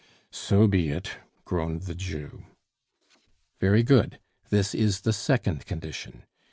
"So be it," groaned the Jew. "Very good. This is the second condition.